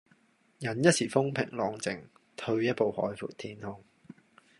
忍一時風平浪靜，退一步海闊天空